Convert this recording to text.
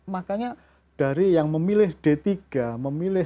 makanya dari yang memilih d tiga memilih